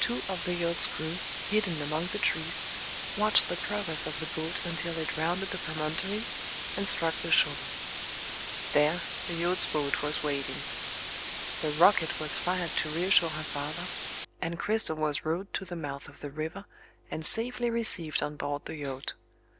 Two of the yacht's crew, hidden among the trees, watched the progress of the boat until it rounded the promontory, and struck the shore. There, the yacht's boat was waiting. The rocket was fired to re assure her father; and Cristel was rowed to the mouth of the river, and safely received on board the yacht.